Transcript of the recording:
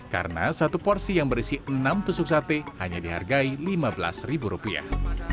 karena satu porsi yang berisi enam tusuk sate hanya dihargai lima belas ribu rupiah